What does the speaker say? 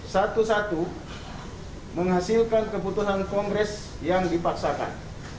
satu satu menghasilkan keputusan kongres yang dipaksakan